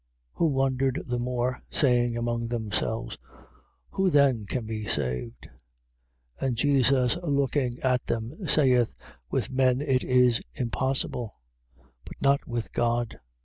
10:26. Who wondered the more, saying among themselves: Who then can be saved? 10:27. And Jesus looking on them, saith with men it is impossible; but not with God.